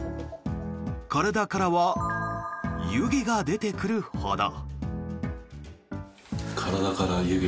体からは湯気が出てくるほど。